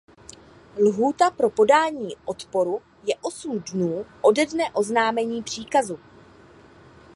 Lhůta pro podání odporu je osm dnů ode dne oznámení příkazu.